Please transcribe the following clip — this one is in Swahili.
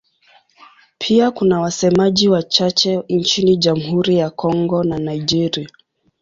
Pia kuna wasemaji wachache nchini Jamhuri ya Kongo na Nigeria.